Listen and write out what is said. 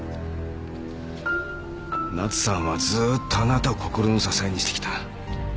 奈津さんはずっとあなたを心の支えにしてきた。